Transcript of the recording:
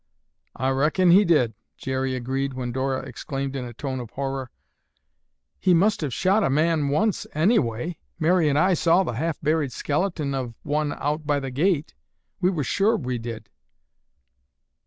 "I reckon he did," Jerry agreed when Dora exclaimed in a tone of horror: "He must have shot a man once anyway. Mary and I saw the half buried skeleton of one out by the gate. We were sure we did."